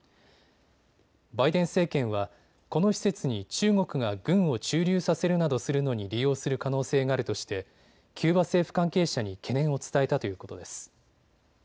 バイデン政権はこの施設に中国が軍を駐留させるなどするのに利用する可能性があるとしてキューバ政府関係者に懸念を伝えたということです。